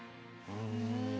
うん。